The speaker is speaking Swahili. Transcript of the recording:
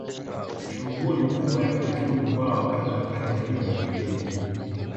Shughuli kubwa ya kiuchumi kwa wakazi wa kata hiyo ni kilimo.